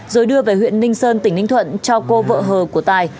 rồi đưa về huyện ninh sơn tỉnh ninh thuận cho cô vợ hờ của tài